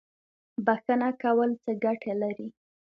بخښنه کول څه ګټه لري؟